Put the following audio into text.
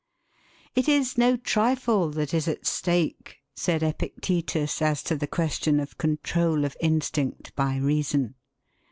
'It is no trifle that is at stake,' said Epictetus as to the question of control of instinct by reason.